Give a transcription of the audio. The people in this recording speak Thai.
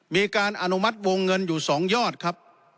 มีการอนุมัติวงเงินอยู่๒ยอดครับ